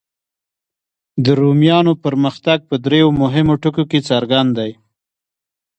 د رومیانو پرمختګ په دریو مهمو ټکو کې څرګند دی.